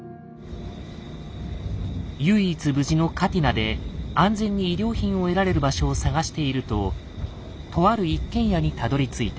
唯一無事のカティナで安全に医療品を得られる場所を探しているととある一軒家にたどりついた。